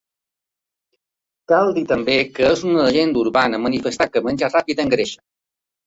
Cal dir també que és una llegenda urbana manifestar que menjar ràpid engreixa.